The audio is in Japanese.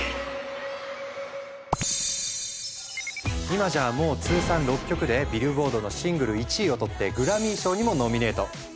今じゃあもう通算６曲でビルボードのシングル１位を取ってグラミー賞にもノミネート。